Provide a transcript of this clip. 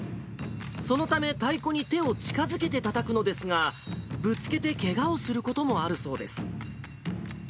そのため、太鼓に手を近づけてたたくのですが、ぶつけてけがをすることもあるそうです。